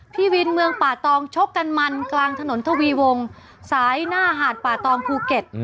พี่วินเมืองป่าตองชกกันมันกลางถนนทวีวงสายหน้าหาดป่าตองภูเก็ต